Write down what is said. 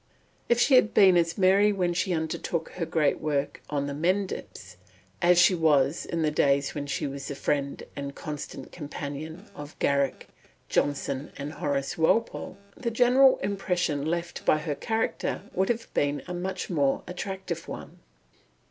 If she had been as merry when she undertook her great work on the Mendips, as she was in the days when she was the friend and constant companion of Garrick, Johnson, and Horace Walpole, the general impression left by her character would have been a much more attractive one.